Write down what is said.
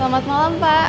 selamat malam pak